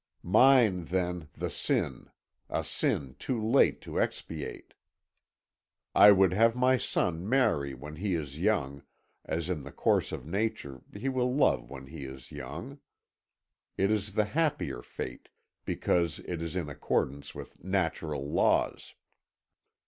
"Mine, then, the sin a sin too late to expiate. "I would have my son marry when he is young, as in the course of nature he will love when he is young. It is the happier fate, because it is in accordance with natural laws.